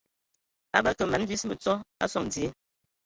A bə kəlǝg mana vis mǝtsɔ a sɔŋ dzie.